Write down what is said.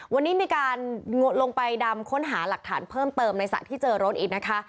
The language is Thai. วันนี้มีการลงไปดำค้นหาหลักฐานเพิ่มเติมในสระที่เจอรถอีกนะคะ